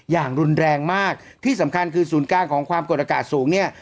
อย่างรุนแรงมากที่สำคัญคือศูนย์กลางของความกดอากาศสูงเนี่ย